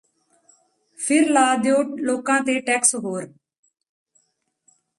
ਫਿਰ ਲਾ ਦਿਓ ਲੋਕਾਂ ਤੇ ਟੈਕਸ ਹੋਰ